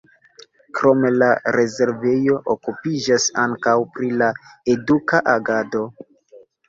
Krome la rezervejo okupiĝas ankaŭ pri la eduka agado.